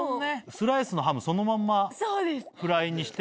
スライスのハムそのまんまフライにして。